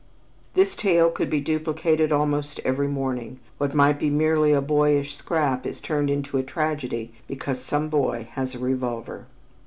This tale could be duplicated almost every morning; what might be merely a boyish scrap is turned into a tragedy because some boy has a revolver.